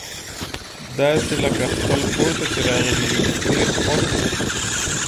داسي لکه خپل کور ته چي راغلي یو، ډېر خوښ وو.